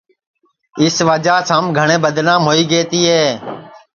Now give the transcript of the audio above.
اِس وجعہ سے ہم گھٹؔے بدنام ہوئی گئے تیے